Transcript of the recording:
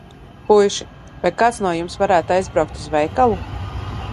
Puiši, vai kāds no jums varētu aizbraukt uz veikalu?